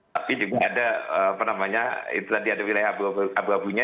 tapi juga ada apa namanya itu tadi ada wilayah abu abunya